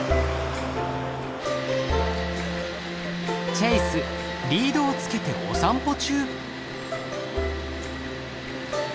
チェイスリードをつけてお散歩中。